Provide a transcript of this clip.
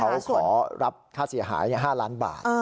เขาขอรับค่าเสียหาย๕ล้านบาท